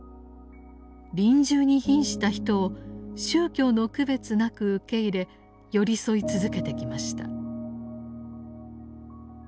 臨終に瀕した人を宗教の区別なく受け入れ寄り添い続けてきました。